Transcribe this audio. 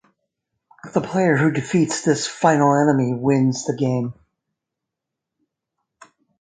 The player who defeats this final enemy wins the game.